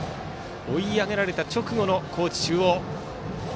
追い上げられた直後の高知中央。